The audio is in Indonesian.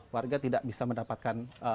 warga tidak bisa mendapatkan